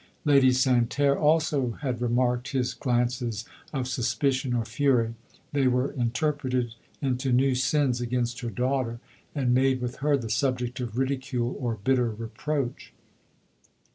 Lady Santerre also had remarked his glances of suspicion or fury ; they were interpreted into new sins against her daughter, and made with her the subject of ridicule or bitter reproach.